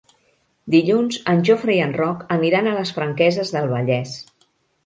Dilluns en Jofre i en Roc aniran a les Franqueses del Vallès.